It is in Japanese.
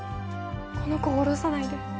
この子を堕ろさないで。